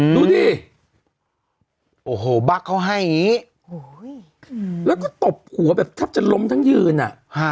ดูดิโอ้โหบักเขาให้แล้วก็ตบหัวแบบครับจะล้มทั้งยืนอ่ะ